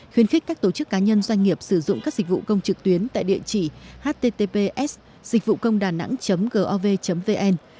khuyên khích các tổ chức cá nhân doanh nghiệp sử dụng các dịch vụ công trực tuyến tại địa chỉ https dịchvucongdanang gov vn